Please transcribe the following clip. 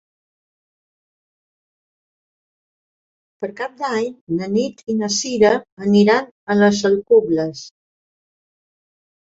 Per Cap d'Any na Nit i na Cira aniran a les Alcubles.